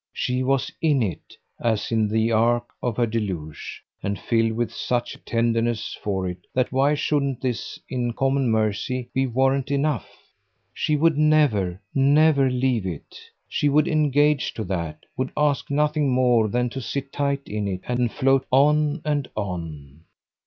She was IN it, as in the ark of her deluge, and filled with such a tenderness for it that why shouldn't this, in common mercy, be warrant enough? She would never, never leave it she would engage to that; would ask nothing more than to sit tight in it and float on and on.